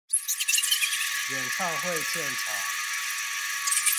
演唱會現場